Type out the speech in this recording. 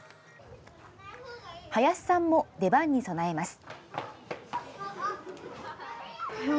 林さんも出番に備えます。